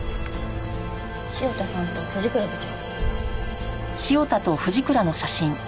潮田さんと藤倉部長。